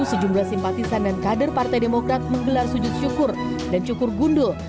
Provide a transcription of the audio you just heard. sejumlah simpatisan dan kader partai demokrat menggelar sujud syukur dan cukur gundul